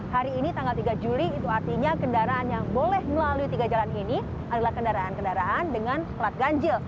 hari ini tanggal tiga juli itu artinya kendaraan yang boleh melalui tiga jalan ini adalah kendaraan kendaraan dengan plat ganjil